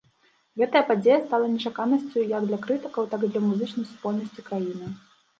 Гэтая падзея стала нечаканасцю як для крытыкаў, так і для музычнай супольнасці краіны.